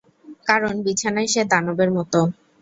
কারণ, বিছানায় সে দানবের মতো!